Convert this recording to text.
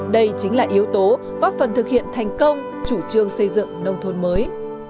đây chính là yếu tố góp phần thực hiện thành công chủ trương xây dựng nông thôn mới